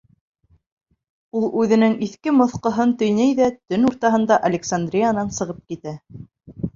Ул үҙенең иҫке-моҫҡоһон төйнәй ҙә төн уртаһында Александриянан сығып китә.